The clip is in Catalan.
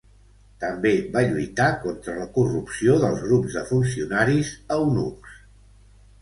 També va lluitar contra la corrupció dels grups de funcionaris eunucs.